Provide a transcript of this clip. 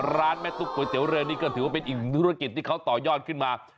ร้านแม่ตุ๊กก๋วยเตี๋ยเรือนี่ก็ถือว่าเป็นอีกหนึ่งธุรกิจที่เขาต่อยอดขึ้นมา